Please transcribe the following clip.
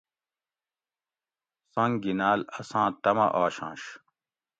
سنگ گینال اساں طمع آشںش